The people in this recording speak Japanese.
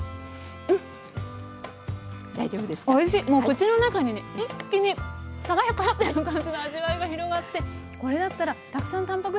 もう口の中にね一気に爽やかっていう感じの味わいが広がってこれだったらたくさんたんぱく質とることできますね。